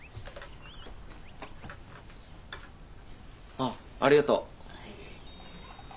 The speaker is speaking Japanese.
あっありがとう。